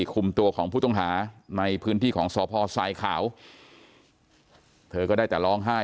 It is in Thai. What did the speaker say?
คุมตัวของผู้ต้องหาในพื้นที่ของสพทรายขาวเธอก็ได้แต่ร้องไห้